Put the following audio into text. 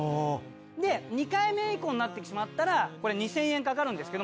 で２回目以降になってしまったら２０００円かかるんですけども。